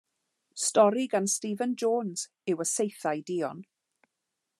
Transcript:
Stori gan Stephen Jones yw Y Saethau Duon.